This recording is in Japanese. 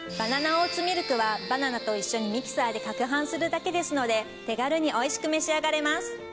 オーツミルクはバナナと一緒にミキサーでかくはんするだけですので手軽においしく召し上がれます。